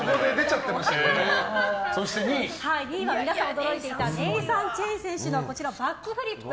そして、２位は皆さん、驚いていたネイサン・チェン選手のバックフリップ。